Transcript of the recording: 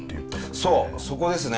そうそこですね。